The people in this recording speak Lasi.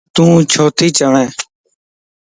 تون ڇو تي چوين؟